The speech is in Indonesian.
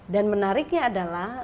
dan intinya adalah